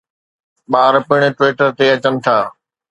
ٻار پاڻ Twitter تي اچن ٿا